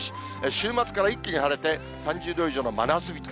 週末から一気に晴れて、３０度以上の真夏日と。